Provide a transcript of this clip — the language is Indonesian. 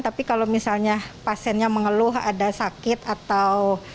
tapi kalau misalnya pasiennya mengeluh ada sakit atau